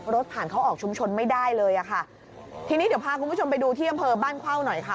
รถผ่านเข้าออกชุมชนไม่ได้เลยอ่ะค่ะทีนี้เดี๋ยวพาคุณผู้ชมไปดูที่อำเภอบ้านเข้าหน่อยค่ะ